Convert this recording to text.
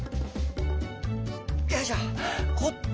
よいしょっ！